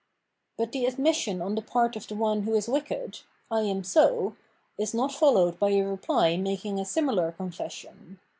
But the admission on the part of the one who is wicked, " I am so," is not followed by a reply mah iu g a similar confession.